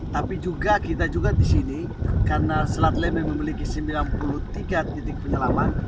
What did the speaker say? tapi juga kita juga disini karena selat lembeh memiliki sembilan puluh tiga titik penyelaman